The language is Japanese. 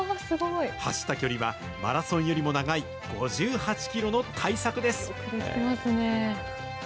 走った距離はマラソンよりも長い、５８キロの大作です。